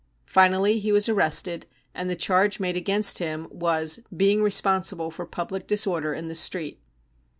Finally he was arrested and the charge made against him was cc being responsible for public disorder in the street